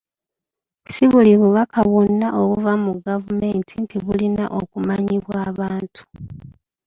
Si buli bubaka bwonna obuva mu gavumenti nti bulina okumanyibwa abantu.